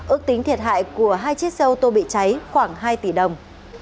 ước tính thiệt hại của hai chiếc xe ô tô bị cháy khoảng hai tỷ đồng